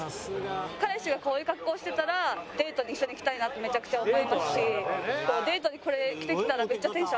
彼氏がこういう格好してたらデートに一緒に行きたいなってめちゃくちゃ思いますしデートにこれ着て来たらめっちゃテンション上がります。